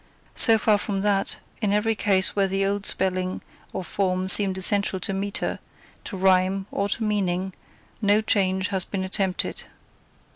So far from that, in every case where the old spelling or form seemed essential to metre, to rhyme, or meaning, no change has been attempted.